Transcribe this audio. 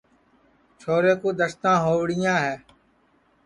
چھورے کُو دستاں ہؤڑیاں ہے